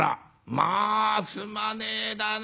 まあすまねえだな。